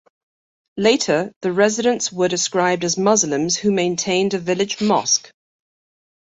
Later, the residents were described as Muslims who maintained a village mosque.